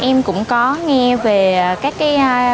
em cũng có nghe về các cái